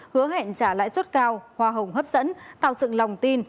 hứa hẹn trả lãi suất cao hoa hồng hấp dẫn tạo sự lòng tin